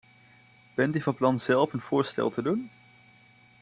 Bent u van plan zelf een voorstel te doen?